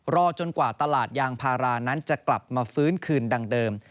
รอจนกว่าตลาดยางพารานั้นจะกลับมาฟื้นคืนดังเดิม